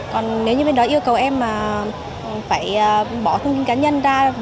còn nếu như bên đó yêu cầu em mà phải bỏ thông tin cá nhân ra